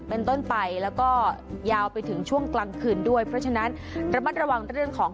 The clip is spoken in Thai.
เป็นต้นไปแล้วก็ยาวไปถึงช่วงกลางคืนด้วยเพราะฉะนั้นระมัดระวังเรื่องของ